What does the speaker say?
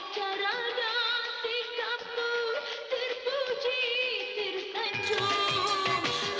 cara dan sikapmu terpuji tersancung